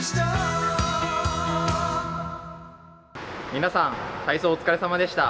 皆さん、体操お疲れさまでした。